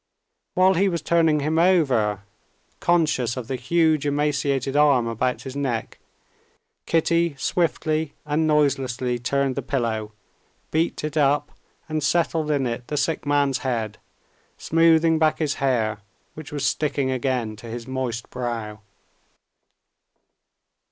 While he was turning him over, conscious of the huge emaciated arm about his neck, Kitty swiftly and noiselessly turned the pillow, beat it up and settled in it the sick man's head, smoothing back his hair, which was sticking again to his moist brow.